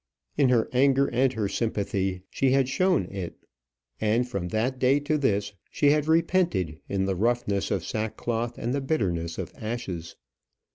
In her anger and her sympathy she had shown it; and from that day to this she had repented in the roughness of sackcloth and the bitterness of ashes.